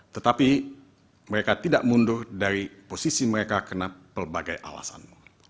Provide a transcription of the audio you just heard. tetapi mereka tidak mundur dari posisi mereka kena berbagai alasan